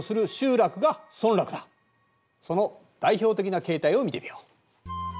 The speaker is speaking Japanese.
その代表的な形態を見てみよう。